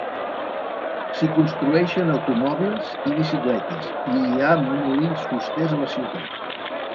S'hi construeixen automòbils i bicicletes, i hi ha molins fusters a la ciutat.